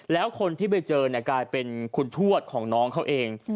แล้วคนที่ไปเจอเนี่ยกลายเป็นคุณทวดของน้องเขาเอง